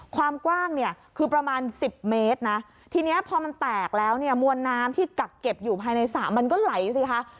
ความกว้างเนี่ยคือประมาณสิบเมตรนะทีนี้พอมันแตกแล้วเนี่ยมวลน้ำที่กักเก็บอยู่ภายในสระมันก็ไหลสิคะ